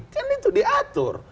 kan itu diatur